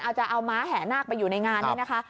เอาจะเอาม้าแห่นาคไปอยู่ในงานนี่นะคะ